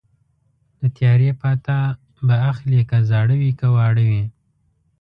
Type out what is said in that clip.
د تیارې پاتا به اخلي که زاړه وي که واړه وي